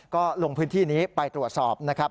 ก็ลงพื้นที่นี้ไปตรวจสอบนะครับ